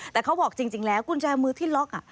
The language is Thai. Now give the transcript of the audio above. แต่เขาบอกจริงแล้วกุญแจมือที่ล็อก